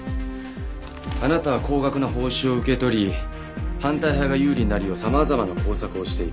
あなたは高額な報酬を受け取り反対派が有利になるよう様々な工作をしていた。